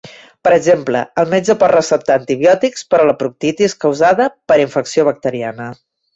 Per exemple, el metge pot receptar antibiòtics per a la proctitis causada per infecció bacteriana.